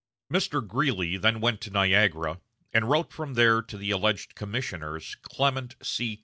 Mr. Greeley then went to Niagara, and wrote from there to the alleged commissioners, Clement C.